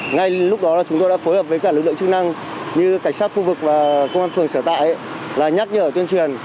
ngay lúc đó chúng tôi đã phối hợp với cả lực lượng chức năng như cảnh sát khu vực và công an phường sở tại là nhắc nhở tuyên truyền